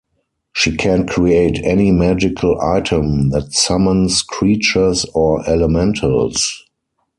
She can create any magical item that summons creatures, or elementals.